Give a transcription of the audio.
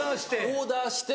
オーダーして。